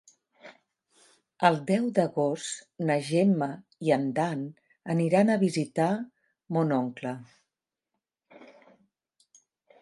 El deu d'agost na Gemma i en Dan aniran a visitar mon oncle.